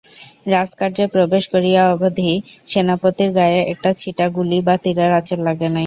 রাজকার্যে প্রবেশ করিয়া অবধি সেনাপতির গায়ে একটা ছিটাগুলি বা তীরের আঁচড় লাগে নাই।